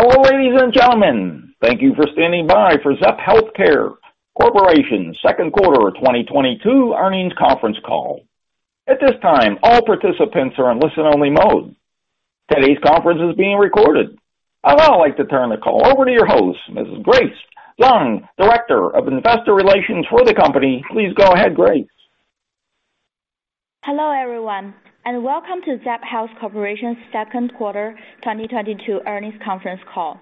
Hello, ladies and gentlemen. Thank you for standing by for Zepp Health Corporation second quarter 2022 earnings conference call. At this time, all participants are in listen-only mode. Today's conference is being recorded. I would now like to turn the call over to your host, Mrs. Grace Zhang, Director of Investor Relations for the company. Please go ahead, Grace. Hello, everyone, and welcome to Zepp Health Corporation second quarter 2022 earnings conference call.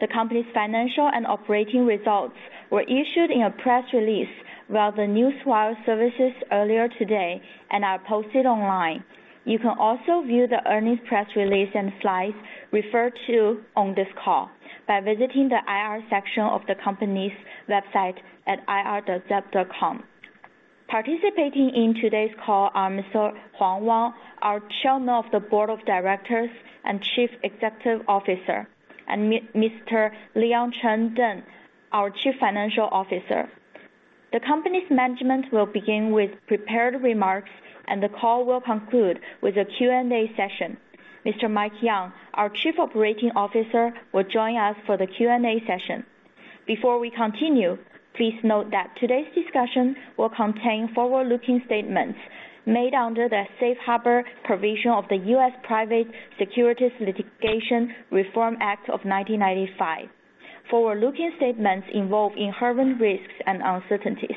The company's financial and operating results were issued in a press release via the newswire services earlier today and are posted online. You can also view the earnings press release and slides referred to on this call by visiting the IR section of the company's website at ir.zepp.com. Participating in today's call are Mr. Wang Huang, our Chairman of the Board of Directors and Chief Executive Officer, and Mr. Leon Cheng Deng, our Chief Financial Officer. The company's management will begin with prepared remarks and the call will conclude with a Q&A session. Mr. Mike Yan Yeung, our Chief Operating Officer, will join us for the Q&A session. Before we continue, please note that today's discussion will contain forward-looking statements made under the safe harbor provision of the U.S. Private Securities Litigation Reform Act of 1995. Forward-looking statements involve inherent risks and uncertainties.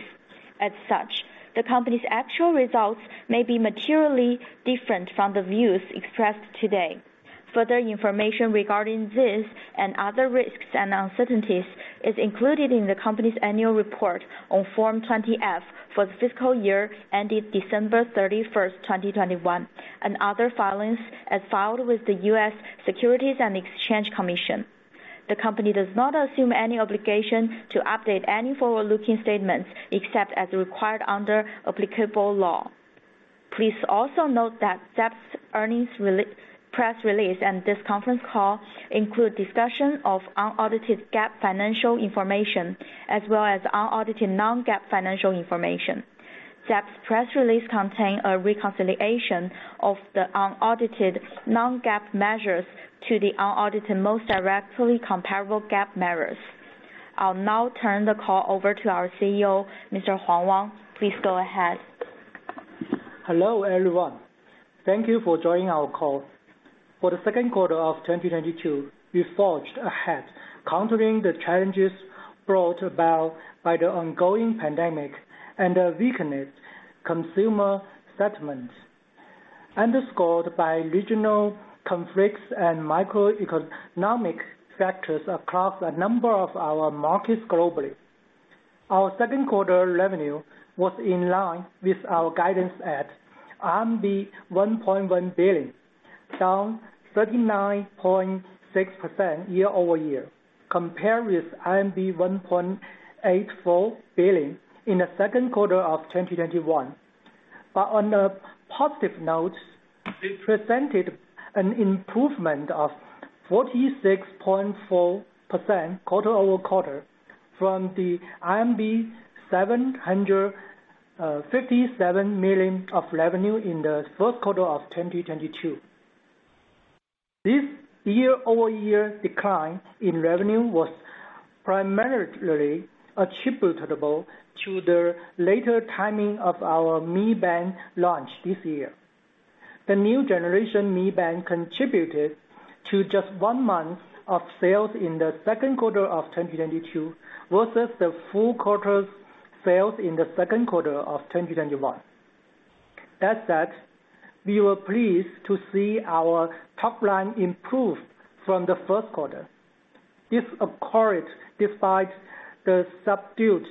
As such, the company's actual results may be materially different from the views expressed today. Further information regarding this and other risks and uncertainties is included in the company's annual report on Form 20-F for the fiscal year ended December 31st, 2021, and other filings as filed with the U.S. Securities and Exchange Commission. The company does not assume any obligation to update any forward-looking statements except as required under applicable law. Please also note that Zepp's press release and this conference call include discussion of unaudited GAAP financial information, as well as unaudited non-GAAP financial information. Zepp's press release contain a reconciliation of the unaudited non-GAAP measures to the unaudited most directly comparable GAAP measures. I'll now turn the call over to our CEO, Mr. Wang Huang. Please go ahead. Hello, everyone. Thank you for joining our call. For the second quarter of 2022, we forged ahead, countering the challenges brought about by the ongoing pandemic and a weakened consumer sentiment, underscored by regional conflicts and macroeconomic factors across a number of our markets globally. Our second quarter revenue was in line with our guidance at RMB 1.1 billion, down 39.6% year-over-year, compared with 1.84 billion in the second quarter of 2021. On a positive note, it presented an improvement of 46.4% quarter-over-quarter from the 757 million of revenue in the first quarter of 2022. This year-over-year decline in revenue was primarily attributable to the later timing of our Mi Band launch this year. The new generation Mi Band contributed to just one month of sales in the second quarter of 2022 versus the full quarter's sales in the second quarter of 2021. That said, we were pleased to see our top line improve from the first quarter. This occurred despite the subdued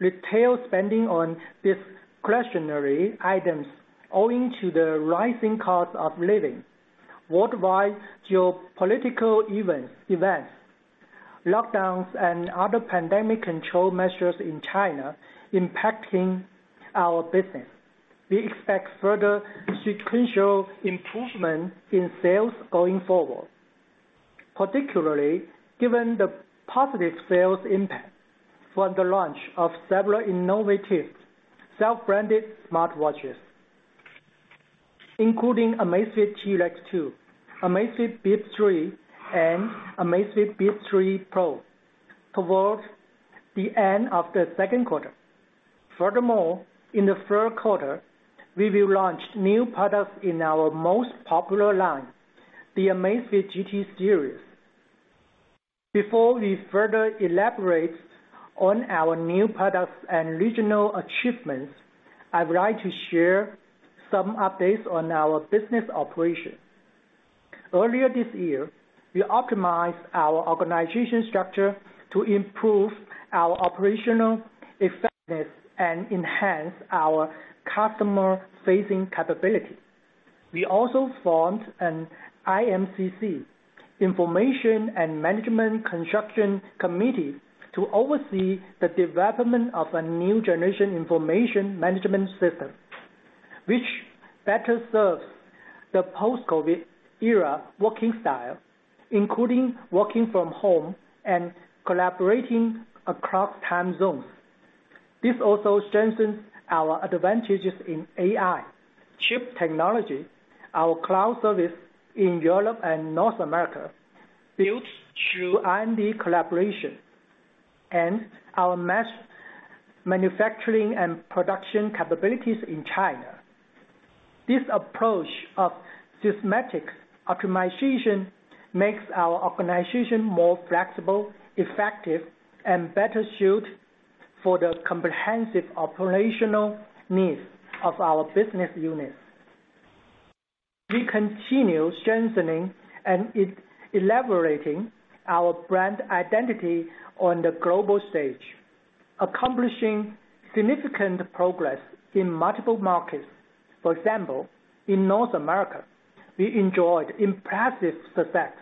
retail spending on discretionary items owing to the rising cost of living, worldwide geopolitical events, lockdowns and other pandemic control measures in China impacting our business. We expect further sequential improvement in sales going forward, particularly given the positive sales impact from the launch of several innovative self-branded smartwatches, including Amazfit T-Rex 2, Amazfit Bip 3, and Amazfit Bip 3 Pro towards the end of the second quarter. Furthermore, in the third quarter, we will launch new products in our most popular line, the Amazfit GT series. Before we further elaborate on our new products and regional achievements, I would like to share some updates on our business operation. Earlier this year, we optimized our organization structure to improve our operational effectiveness and enhance our customer-facing capability. We also formed an IMCC, Information and Management Construction Committee, to oversee the development of a new generation information management system, which better serves the post-COVID era working style, including working from home and collaborating across time zones. This also strengthens our advantages in AI, chip technology, our cloud service in Europe and North America, built through R&D collaboration and our mass manufacturing and production capabilities in China. This approach of systematic optimization makes our organization more flexible, effective, and better suited for the comprehensive operational needs of our business units. We continue strengthening and elaborating our brand identity on the global stage, accomplishing significant progress in multiple markets. For example, in North America, we enjoyed impressive success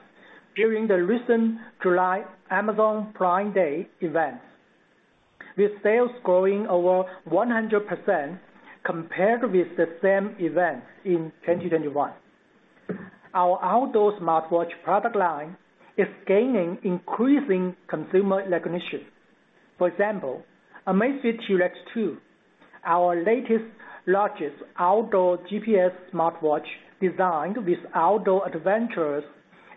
during the recent July Amazon Prime Day event, with sales growing over 100% compared with the same event in 2021. Our outdoor smartwatch product line is gaining increasing consumer recognition. For example, Amazfit T-Rex 2, our latest, largest outdoor GPS smartwatch designed with outdoor adventurers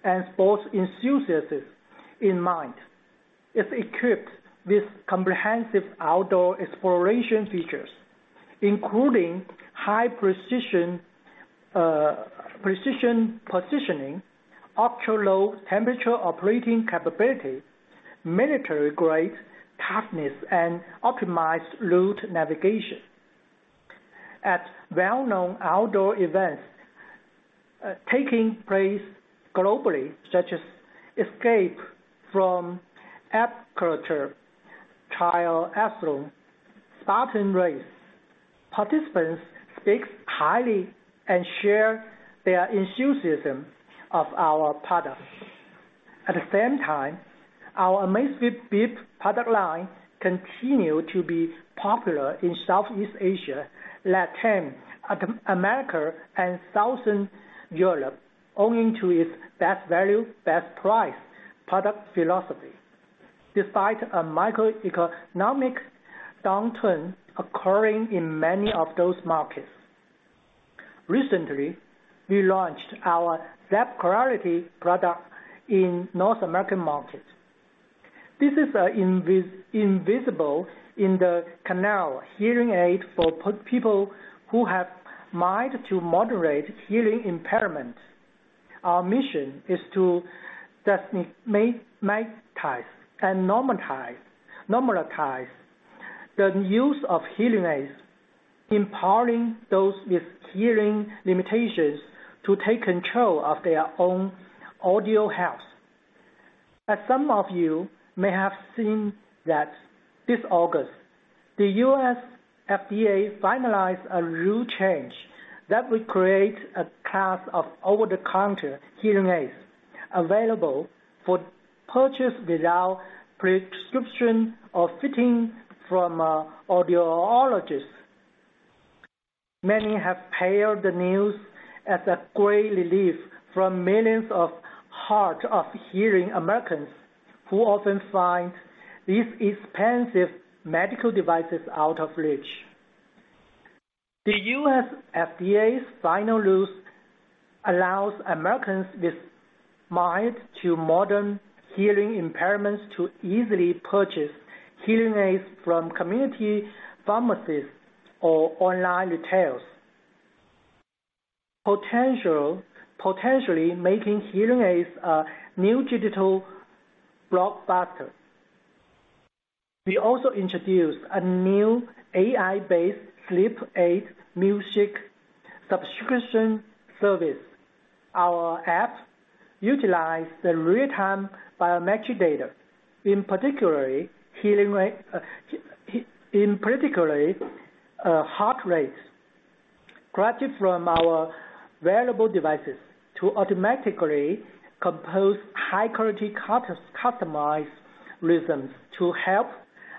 and sports enthusiasts in mind. It's equipped with comprehensive outdoor exploration features, including high precision positioning, ultra-low temperature operating capability, military-grade toughness, and optimized route navigation. At well-known outdoor events taking place globally, such as Escape from Alcatraz Triathlon, Spartan Race, participants speak highly and share their enthusiasm of our products. At the same time, our Amazfit Bip product line continue to be popular in Southeast Asia, Latin America, and Southern Europe, owing to its best value, best price product philosophy, despite a macroeconomic downturn occurring in many of those markets. Recently, we launched our Zepp Clarity product in North American markets. This is invisible in the canal hearing aid for people who have mild to moderate hearing impairment. Our mission is to destigmatize and normalize the use of hearing aids, empowering those with hearing limitations to take control of their own audio health. As some of you may have seen that this August, the U.S. FDA finalized a rule change that will create a class of over-the-counter hearing aids available for purchase without prescription or fitting from audiologists. Many have hailed the news as a great relief for millions of hard of hearing Americans who often find these expensive medical devices out of reach. The U.S. FDA's final rules allows Americans with mild to moderate hearing impairments to easily purchase hearing aids from community pharmacists or online retailers, potentially making hearing aids a new digital blockbuster. We also introduced a new AI-based sleep aid music subscription service. Our apps utilize the real-time biometric data, in particular heart rate, collected from our wearable devices to automatically compose high-quality customized rhythms to help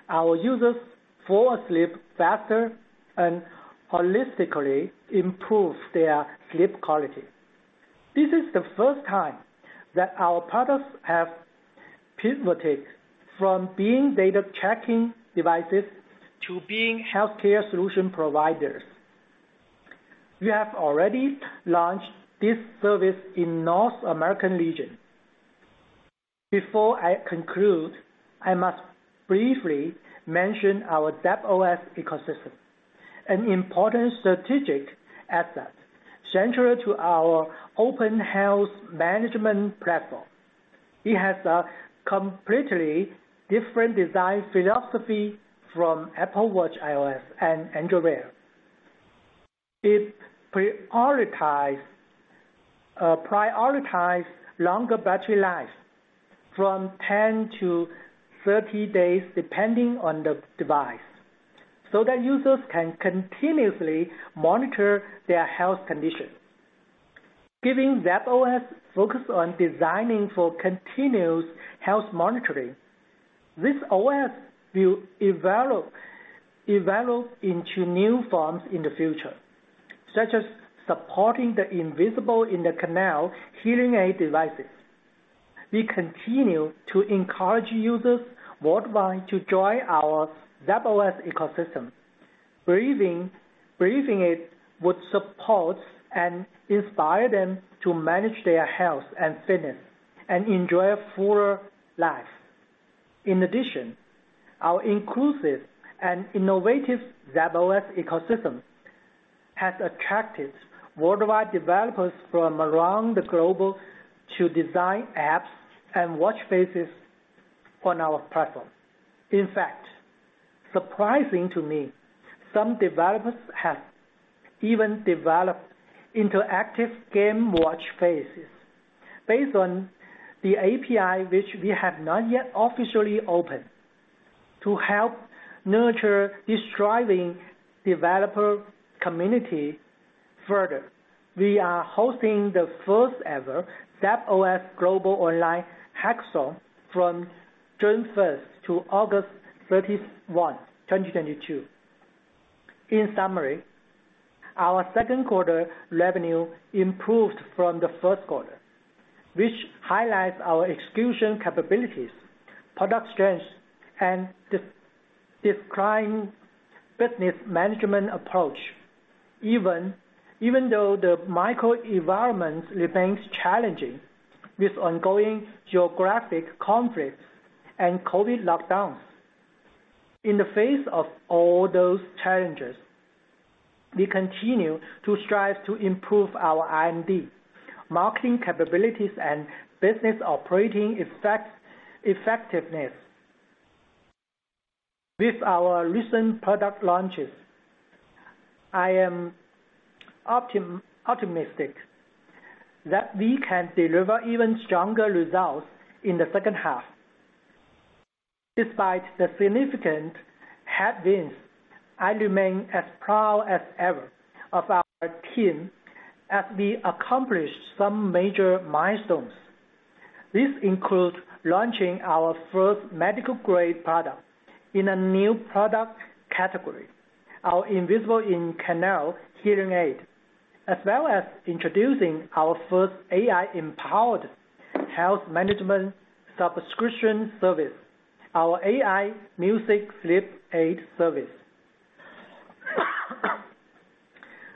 our users fall asleep faster and holistically improve their sleep quality. This is the first time that our products have pivoted from being data tracking devices to being healthcare solution providers. We have already launched this service in North American region. Before I conclude, I must briefly mention our Zepp OS ecosystem, an important strategic asset central to our open health management platform. It has a completely different design philosophy from watchOS and Wear OS. It prioritizes longer battery life from 10 days-30 days, depending on the device, so that users can continuously monitor their health condition. Given Zepp OS focus on designing for continuous health monitoring, this OS will evolve into new forms in the future, such as supporting invisible in-the-canal hearing aid devices. We continue to encourage users worldwide to join our Zepp OS ecosystem, believing it would support and inspire them to manage their health and fitness, and enjoy a fuller life. In addition, our inclusive and innovative Zepp OS ecosystem has attracted worldwide developers from around the globe to design apps and watch faces on our platform. In fact, surprising to me, some developers have even developed interactive game watch faces based on the API, which we have not yet officially opened. To help nurture this driving developer community further, we are hosting the first-ever Zepp OS Global Online Hackathon from June 1st to August 31, 2022. In summary, our second quarter revenue improved from the first quarter, which highlights our execution capabilities, product strengths, and disciplined business management approach, even though the macroenvironment remains challenging with ongoing geographic conflicts and COVID lockdowns. In the face of all those challenges, we continue to strive to improve our R&D, marketing capabilities, and business operating effectiveness. With our recent product launches, I am optimistic that we can deliver even stronger results in the second half. Despite the significant headwinds, I remain as proud as ever of our team as we accomplish some major milestones. This includes launching our first medical-grade product in a new product category, our invisible in-canal hearing aid, as well as introducing our first AI-empowered health management subscription service, our AI music sleep aid service.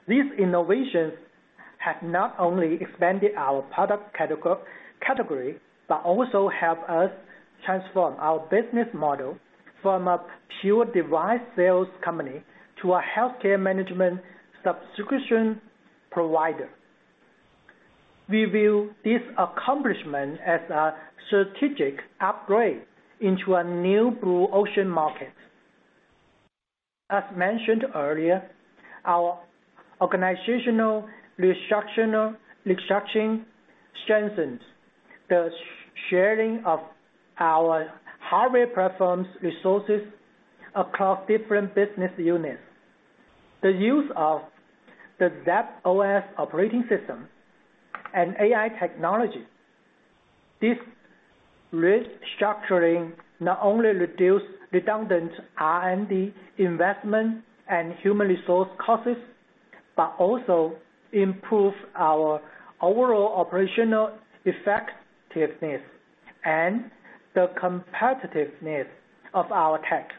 These innovations have not only expanded our product category, but also help us transform our business model from a pure device sales company to a healthcare management subscription provider. We view this accomplishment as a strategic upgrade into a new blue ocean market. As mentioned earlier, our organizational restructuring strengthens the sharing of our hardware platforms' resources across different business units. The use of the Zepp OS operating system and AI technology. This restructuring not only reduce redundant R&D investment and human resource costs, but also improve our overall operational effectiveness and the competitiveness of our tech.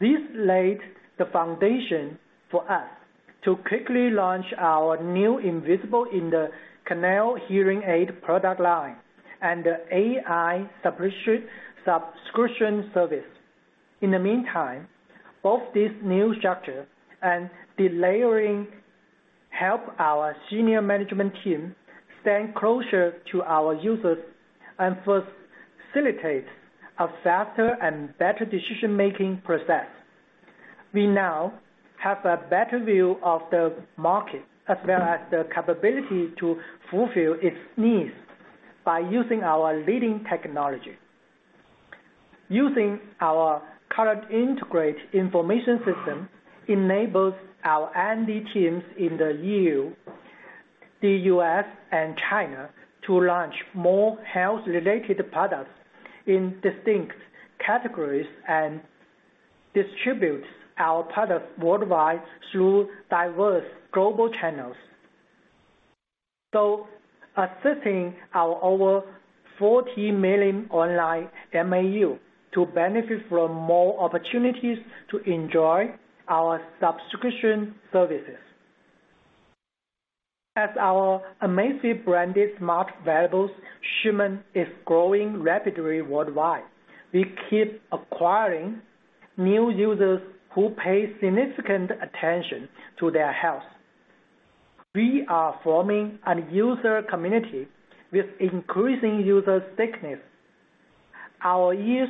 This laid the foundation for us to quickly launch our new invisible in the canal hearing aid product line and the AI subscription service. In the meantime, both this new structure and delayering help our senior management team stand closer to our users and facilitate a faster and better decision-making process. We now have a better view of the market, as well as the capability to fulfill its needs by using our leading technology. Using our current integrated information system enables our R&D teams in the E.U., the U.S., and China to launch more health-related products in distinct categories and distribute our products worldwide through diverse global channels, so assisting our over 40 million online MAU to benefit from more opportunities to enjoy our subscription services. As our Amazfit branded smart wearables shipment is growing rapidly worldwide, we keep acquiring new users who pay significant attention to their health. We are forming a user community with increasing user stickiness. Our years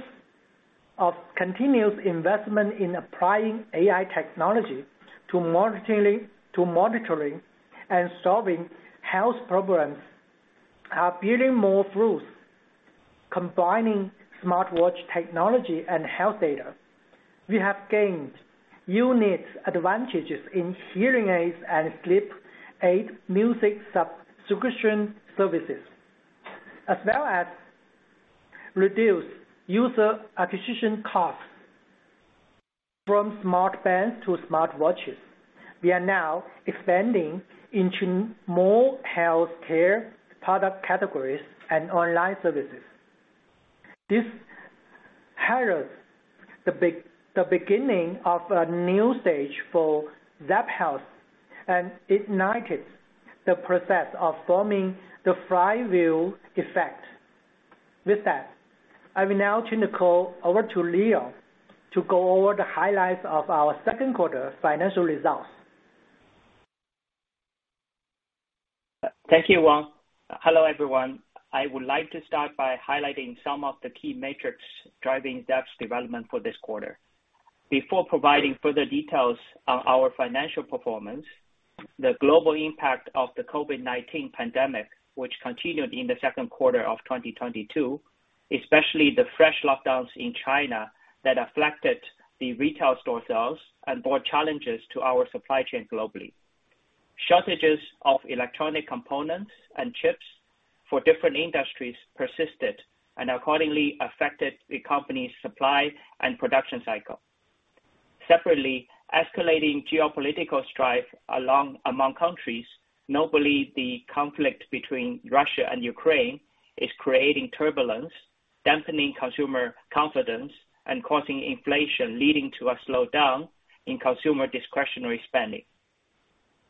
of continuous investment in applying AI technology to monitoring and solving health problems are bearing more fruits. Combining smartwatch technology and health data, we have gained unique advantages in hearing aids and sleep aid music subscription services, as well as reduced user acquisition costs. From smart bands to smart watches, we are now expanding into more healthcare product categories and online services. This heralds the beginning of a new stage for Zepp Health, and ignites the process of forming the flywheel effect. With that, I will now turn the call over to Leon to go over the highlights of our second quarter financial results. Thank you, Wang. Hello, everyone. I would like to start by highlighting some of the key metrics driving Zepp's development for this quarter. Before providing further details on our financial performance, the global impact of the COVID-19 pandemic, which continued in the second quarter of 2022, especially the fresh lockdowns in China that afflicted the retail store sales and brought challenges to our supply chain globally. Shortages of electronic components and chips for different industries persisted and accordingly affected the company's supply and production cycle. Separately, escalating geopolitical strife among countries, notably the conflict between Russia and Ukraine, is creating turbulence, dampening consumer confidence, and causing inflation, leading to a slowdown in consumer discretionary spending.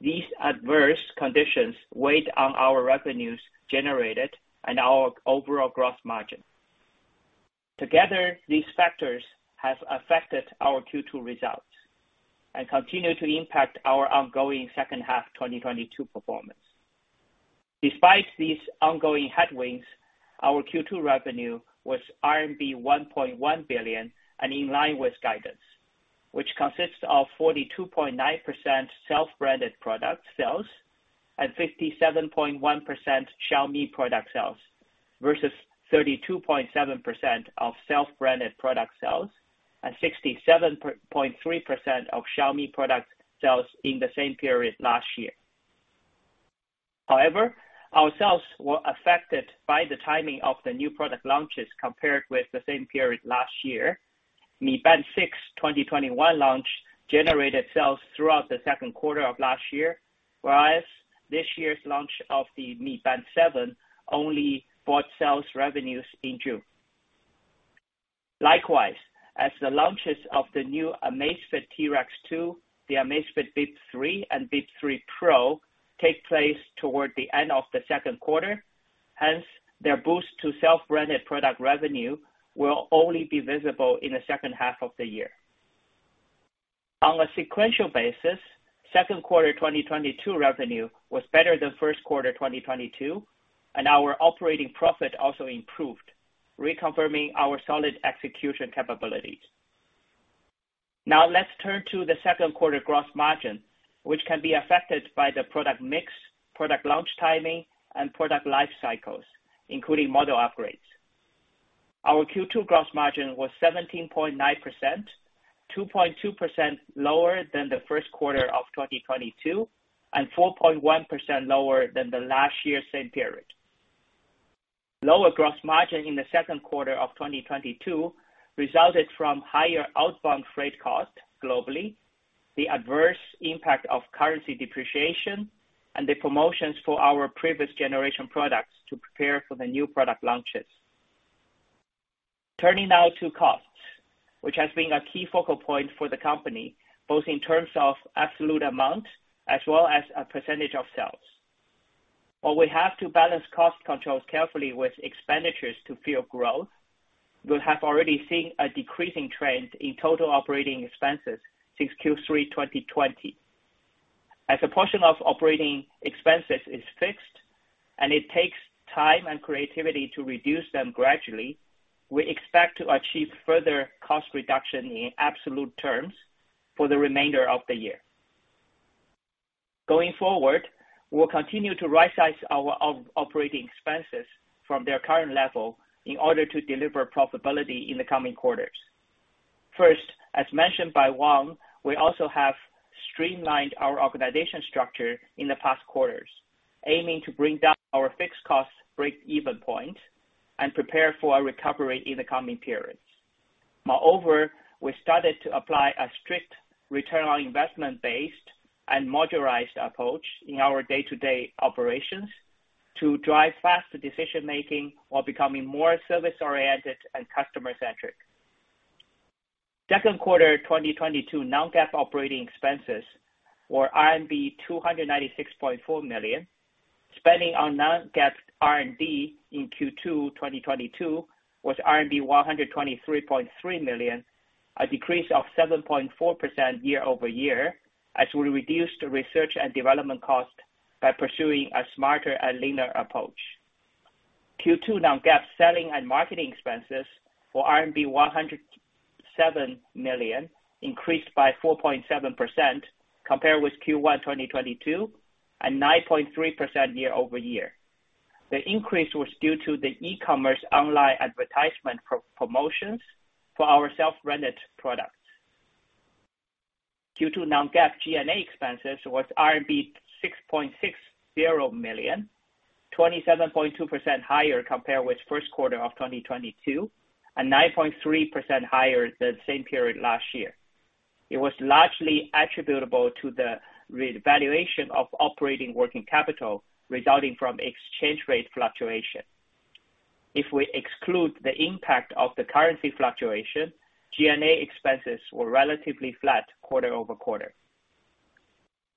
These adverse conditions weighed on our revenues generated and our overall gross margin. Together, these factors have affected our Q2 results and continue to impact our ongoing second half 2022 performance. Despite these ongoing headwinds, our Q2 revenue was RMB 1.1 billion and in line with guidance, which consists of 42.9% self-branded product sales and 57.1% Xiaomi product sales, versus 32.7% of self-branded product sales and 67.3% of Xiaomi product sales in the same period last year. However, our sales were affected by the timing of the new product launches compared with the same period last year. Mi Band 6 2021 launch generated sales throughout the second quarter of last year, whereas this year's launch of the Mi Band 7 only brought sales revenues in June. Likewise, as the launches of the new Amazfit T-Rex 2, the Amazfit Bip 3 and Bip 3 Pro take place toward the end of the second quarter, hence, their boost to self-branded product revenue will only be visible in the second half of the year. On a sequential basis, second quarter 2022 revenue was better than first quarter 2022, and our operating profit also improved, reconfirming our solid execution capabilities. Now let's turn to the second quarter gross margin, which can be affected by the product mix, product launch timing, and product life cycles, including model upgrades. Our Q2 gross margin was 17.9%, 2.2% lower than the first quarter of 2022, and 4.1% lower than the last year same period. Lower gross margin in the second quarter of 2022 resulted from higher outbound freight cost globally, the adverse impact of currency depreciation, and the promotions for our previous generation products to prepare for the new product launches. Turning now to costs, which has been a key focal point for the company, both in terms of absolute amount as well as a percentage of sales. While we have to balance cost controls carefully with expenditures to fuel growth, you'll have already seen a decreasing trend in total operating expenses since Q3 2020. As a portion of operating expenses is fixed, and it takes time and creativity to reduce them gradually, we expect to achieve further cost reduction in absolute terms for the remainder of the year. Going forward, we'll continue to rightsize our operating expenses from their current level in order to deliver profitability in the coming quarters. First, as mentioned by Wang, we also have streamlined our organization structure in the past quarters, aiming to bring down our fixed cost break-even point and prepare for a recovery in the coming periods. Moreover, we started to apply a strict return on investment based and modularized approach in our day-to-day operations to drive faster decision-making while becoming more service-oriented and customer-centric. Second quarter 2022 non-GAAP operating expenses were RMB 296.4 million. Spending on non-GAAP R&D in Q2 2022 was RMB 123.3 million, a decrease of 7.4% year-over-year, as we reduced research and development cost by pursuing a smarter and leaner approach. Q2 non-GAAP selling and marketing expenses were RMB 107 million, increased by 4.7% compared with Q1 2022, and 9.3% year-over-year. The increase was due to the e-commerce online advertisement promotions for our self-branded products. Q2 non-GAAP G&A expenses was RMB 6.60 million, 27.2% higher compared with first quarter of 2022, and 9.3% higher the same period last year. It was largely attributable to the revaluation of operating working capital resulting from exchange rate fluctuation. If we exclude the impact of the currency fluctuation, G&A expenses were relatively flat quarter-over-quarter.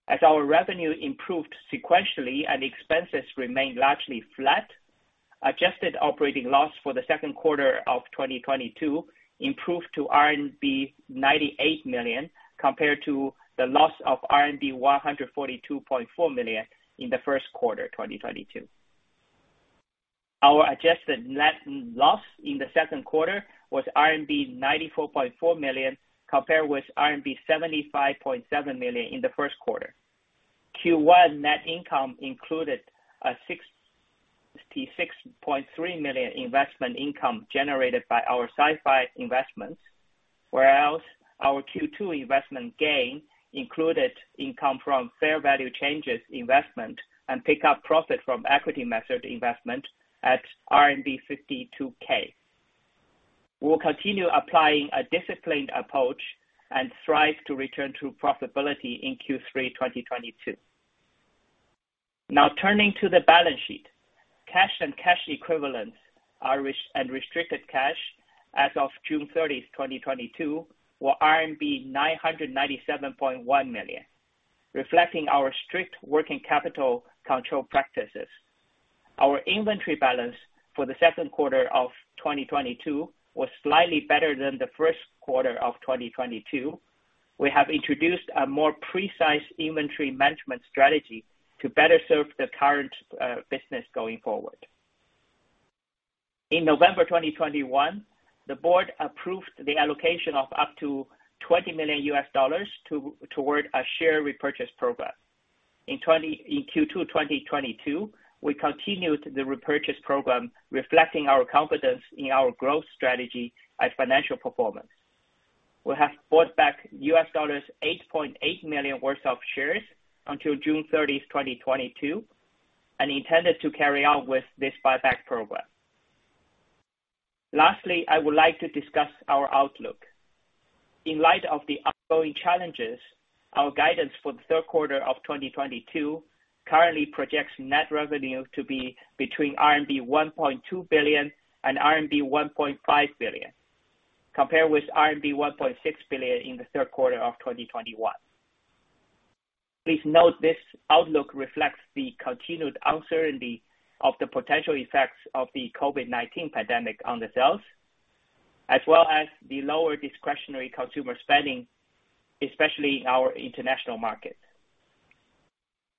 As our revenue improved sequentially and expenses remained largely flat, adjusted operating loss for the second quarter of 2022 improved to RMB 98 million, compared to the loss of RMB 142.4 million in the first quarter, 2022. Our adjusted net loss in the second quarter was RMB 94.4 million, compared with RMB 75.7 million in the first quarter. Q1 net income included 66.3 million investment income generated by our SiFive investments, whereas our Q2 investment gain included income from fair value changes investment and pick up profit from equity method investment at RMB 52,000. We'll continue applying a disciplined approach and strive to return to profitability in Q3 2022. Now turning to the balance sheet. Cash and cash equivalents and restricted cash as of June 30, 2022, were RMB 997.1 million, reflecting our strict working capital control practices. Our inventory balance for the second quarter of 2022 was slightly better than the first quarter of 2022. We have introduced a more precise inventory management strategy to better serve the current business going forward. In November 2021, the board approved the allocation of up to $20 million toward a share repurchase program. In Q2 2022, we continued the repurchase program, reflecting our confidence in our growth strategy and financial performance. We have bought back $8.8 million worth of shares until June 30, 2022, and intended to carry on with this buyback program. Lastly, I would like to discuss our outlook. In light of the ongoing challenges, our guidance for the third quarter of 2022 currently projects net revenue to be between RMB 1.2 billion and RMB 1.5 billion, compared with RMB 1.6 billion in the third quarter of 2021. Please note this outlook reflects the continued uncertainty of the potential effects of the COVID-19 pandemic on the sales, as well as the lower discretionary consumer spending, especially in our international market.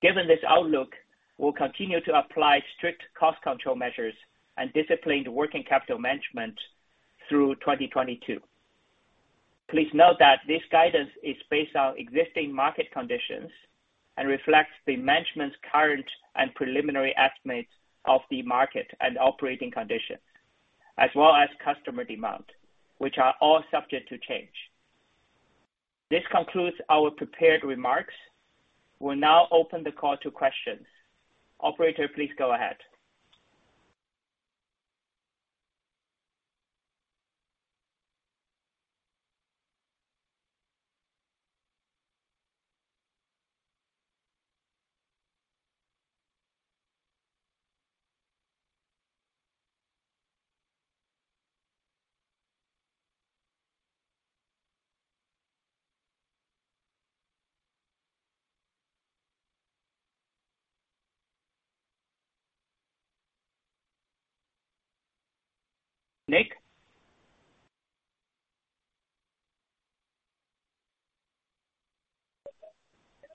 Given this outlook, we'll continue to apply strict cost control measures and disciplined working capital management through 2022. Please note that this guidance is based on existing market conditions and reflects the management's current and preliminary estimates of the market and operating conditions, as well as customer demand, which are all subject to change. This concludes our prepared remarks. We'll now open the call to questions. Operator, please go ahead.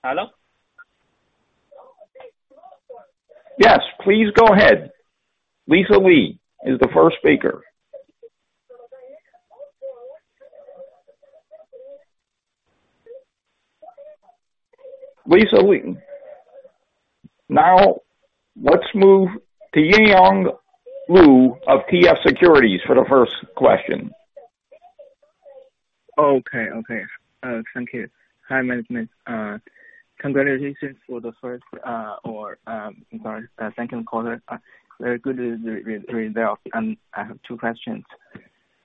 Nick? Hello? Yes, please go ahead. Lisa Lee is the first speaker. Lisa Lee. Now, let's move to Yinyang Lu of TF Securities for the first question. Okay, okay. Thank you. Hi, management. Congratulations for the second quarter. Very good result. I have two questions.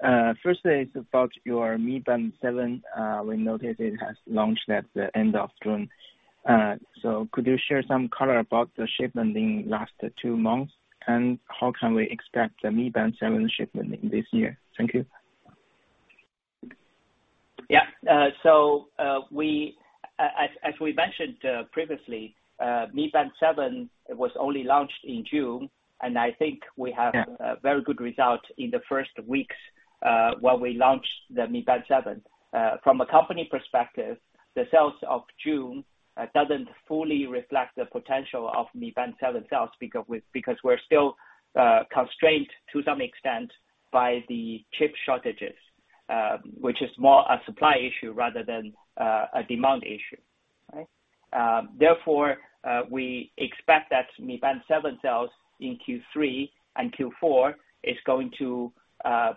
Firstly, it's about your Mi Band 7. We noticed it has launched at the end of June. So could you share some color about the shipment in last two months? And how can we expect the Mi Band 7 shipment in this year? Thank you. As we mentioned previously, Mi Band 7 was only launched in June. Yeah. And I think we have a very good result in the first weeks while we launched the Mi Band 7. From a company perspective, the sales of June doesn't fully reflect the potential of Mi Band 7 sales, because we're still constrained to some extent by the chip shortages, which is more a supply issue rather than a demand issue. Right? Therefore, we expect that Mi Band 7 sales in Q3 and Q4 is going to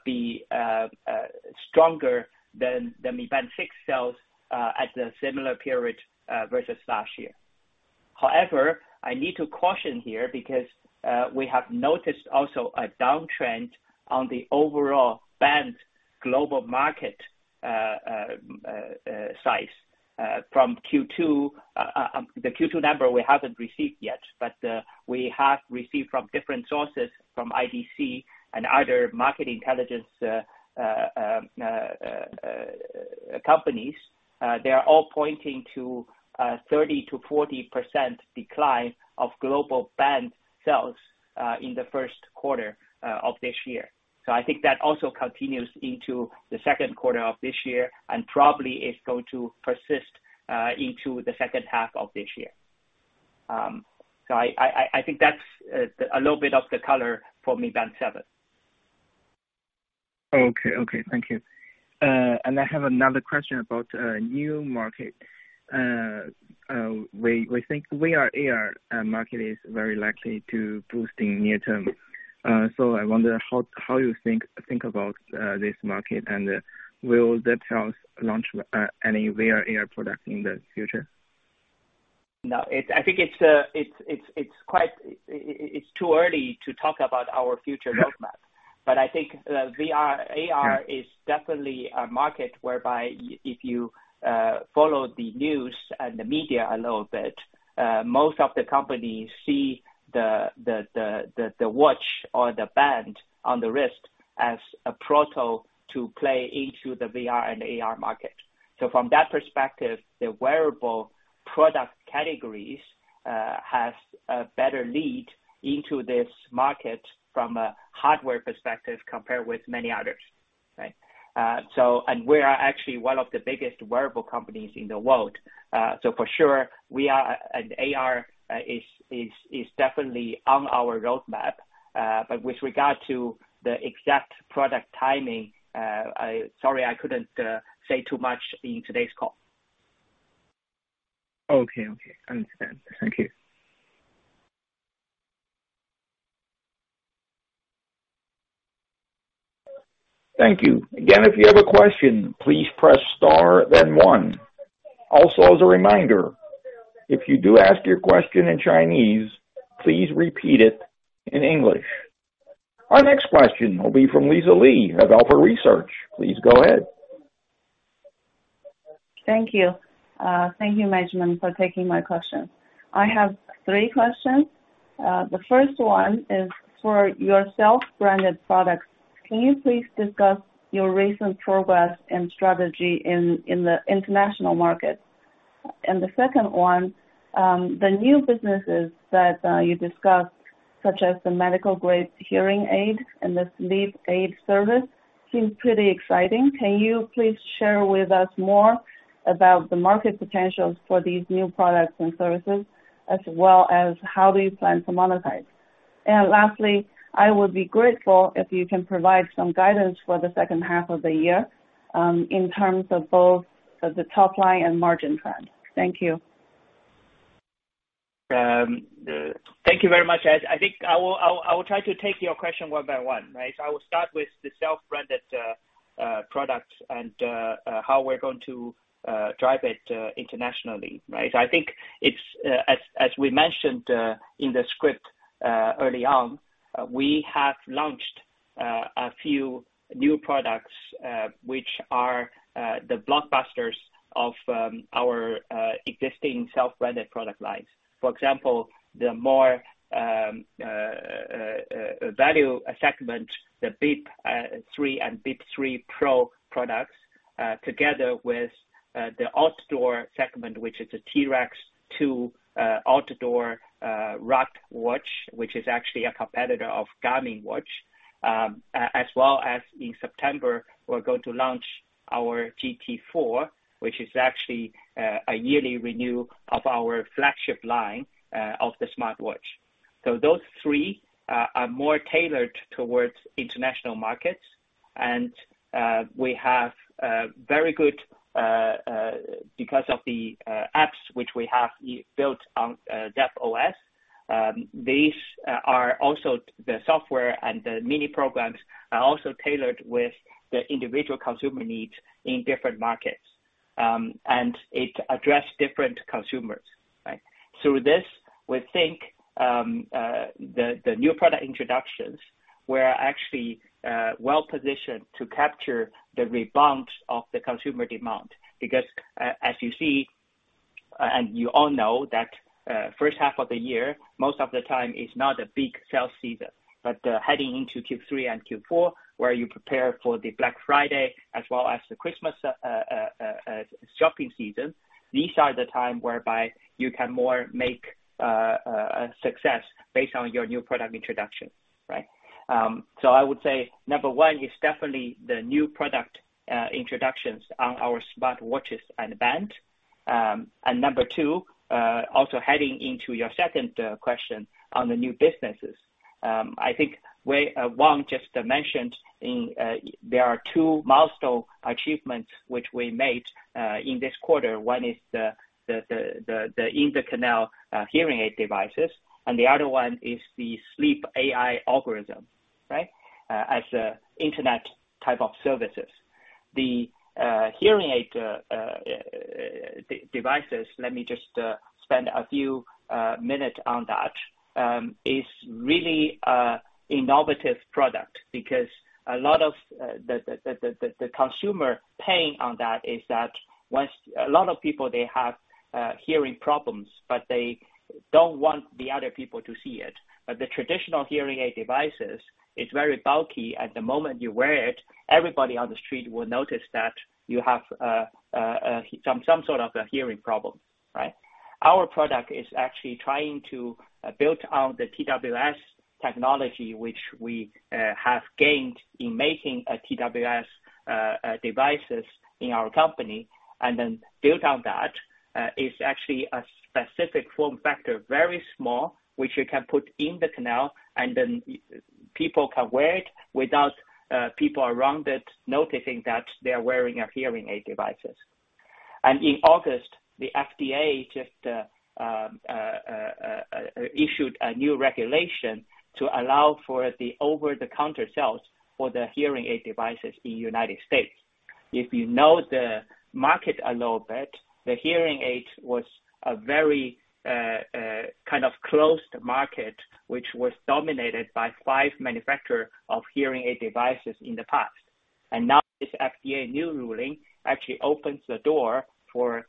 be stronger than the Mi Band 6 sales at the similar period versus last year. However, I need to caution here because we have noticed also a downtrend on the overall band global market size from Q2. The Q2 number we haven't received yet, but we have received from different sources, from IDC and other market intelligence companies. They are all pointing to a 30%-40% decline of global band sales in the first quarter of this year. I think that also continues into the second quarter of this year and probably is going to persist into the second half of this year. I think that's a little bit of the color for Mi Band 7. Okay. Thank you. I have another question about new market. We think VR/AR market is very likely to boost in near term. I wonder how you think about this market, and will that help launch any VR/AR product in the future? No, I think it's quite. It's too early to talk about our future roadmap. Yeah. I think VR/AR is definitely a market whereby if you follow the news and the media a little bit, most of the companies see the watch or the band on the wrist as a portal to play into the VR and AR market. From that perspective, the wearable product categories has a better lead into this market from a hardware perspective compared with many others. Right? We are actually one of the biggest wearable companies in the world. For sure VR and AR is definitely on our roadmap. With regard to the exact product timing, sorry, I couldn't say too much in today's call. Okay. Understand. Thank you. Thank you. Again, if you have a question, please press star then one. Also as a reminder, if you do ask your question in Chinese, please repeat it in English. Our next question will be from Lisa Lee of Alpha Research. Please go ahead. Thank you. Thank you, management, for taking my question. I have three questions. The first one is for your self-branded products. Can you please discuss your recent progress and strategy in the international market? The second one, the new businesses that you discussed, such as the medical-grade hearing aid and the sleep aid service, seems pretty exciting. Can you please share with us more about the market potentials for these new products and services, as well as how do you plan to monetize? Lastly, I would be grateful if you can provide some guidance for the second half of the year, in terms of both the top line and margin trend. Thank you. Thank you very much. I think I will try to take your question one by one, right? I will start with the self-branded products and how we're going to drive it internationally, right? I think it's as we mentioned in the script early on we have launched a few new products which are the blockbusters of our existing self-branded product lines. For example, the more value segment, the Amazfit Bip 3 and Amazfit Bip 3 Pro products together with the outdoor segment, which is a T-Rex 2 outdoor rugged watch, which is actually a competitor of Garmin watch. As well as in September, we're going to launch our GTR 4, which is actually a yearly renewal of our flagship line of the smartwatch. Those three are more tailored towards international markets. We have very good because of the apps which we have built on Zepp OS. These are also the software and the mini programs are also tailored with the individual consumer needs in different markets. It addresses different consumers, right? Through this, we think the new product introductions were actually well-positioned to capture the rebound of the consumer demand. Because as you see, and you all know that, first half of the year, most of the time is not a big sales season, but heading into Q3 and Q4, where you prepare for the Black Friday as well as the Christmas shopping season, these are the time whereby you can more make a success based on your new product introduction, right? I would say number one is definitely the new product introductions on our smartwatches and band. Number two also heading into your second question on the new businesses. I think Wang just mentioned, and there are two milestone achievements which we made in this quarter. One is the in the canal hearing aid devices, and the other one is the sleep AI algorithm, right? As an internet type of service. The hearing aid devices, let me just spend a few minute on that, is really an innovative product because a lot of the consumer pain on that, is that a lot of people, they have hearing problems, but they don't want other people to see it. The traditional hearing aid devices, it's very bulky. At the moment you wear it, everybody on the street will notice that you have some sort of a hearing problem, right? Our product is actually trying to build out the TWS technology, which we have gained in making TWS devices in our company, and then build on that is actually a specific form factor, very small, which you can put in the canal, and then people can wear it without people around it noticing that they're wearing hearing aid devices. In August, the FDA just issued a new regulation to allow for the over-the-counter sales for the hearing aid devices in United States. If you know the market a little bit, the hearing aid was a very kind of closed market, which was dominated by five manufacturers of hearing aid devices in the past. Now, this FDA new ruling actually opens the door for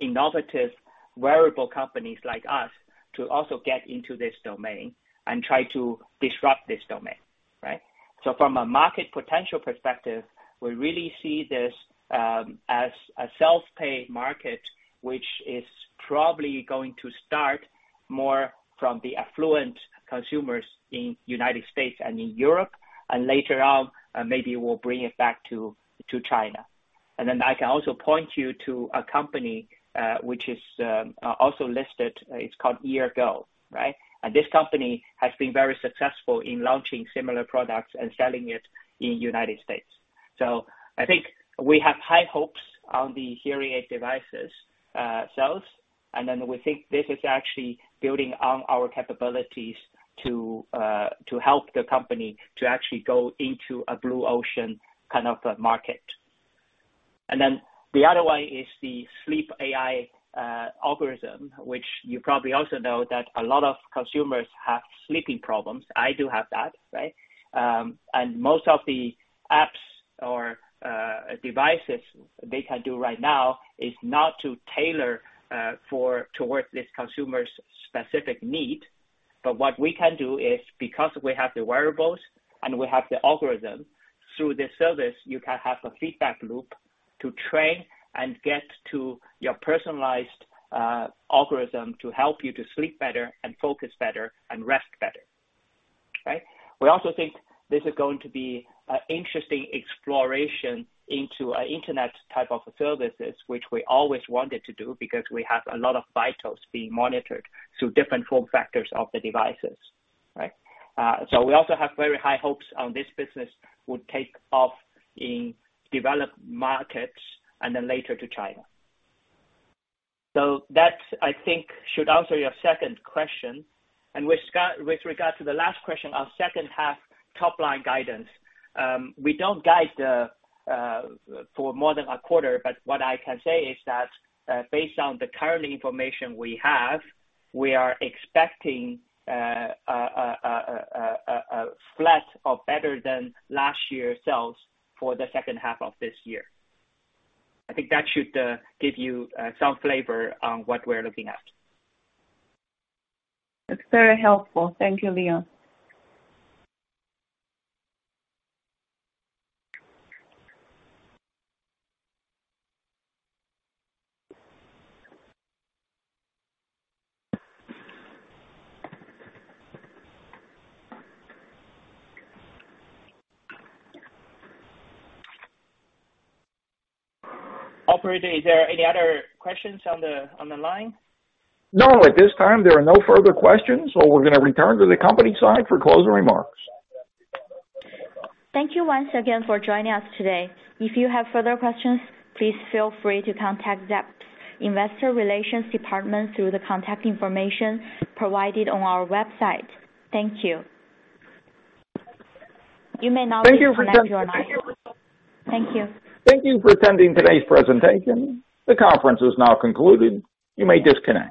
innovative wearable companies like us to also get into this domain and try to disrupt this domain, right? From a market potential perspective, we really see this as a self-pay market, which is probably going to start more from the affluent consumers in United States and in Europe, and later on, maybe we'll bring it back to China. I can also point you to a company, which is also listed, it's called Eargo, right? This company has been very successful in launching similar products and selling it in United States. I think we have high hopes on the hearing aid devices sales. We think this is actually building on our capabilities to help the company to actually go into a blue ocean kind of a market. The other one is the sleep AI algorithm, which you probably also know that a lot of consumers have sleeping problems. I do have that, right? Most of the apps or devices they can do right now is not to tailor towards this consumer's specific need. What we can do is because we have the wearables and we have the algorithm, through this service, you can have a feedback loop to train and get to your personalized algorithm to help you to sleep better and focus better and rest better, right? We also think this is going to be an interesting exploration into internet type of services, which we always wanted to do because we have a lot of vitals being monitored through different form factors of the devices, right? We also have very high hopes on this business would take off in developed markets and then later to China. That, I think, should answer your second question. With regard to the last question on second half top line guidance, we don't guide for more than a quarter, but what I can say is that, based on the current information we have, we are expecting a flat or better than last year sales for the second half of this year. I think that should give you some flavor on what we're looking at. That's very helpful. Thank you, Leon. Operator, is there any other questions on the line? No, at this time there are no further questions, so we're gonna return to the company side for closing remarks. Thank you once again for joining us today. If you have further questions, please feel free to contact Zepp's investor relations department through the contact information provided on our website. Thank you. You may now disconnect your line. Thank you. Thank you for attending today's presentation. The conference is now concluded. You may disconnect.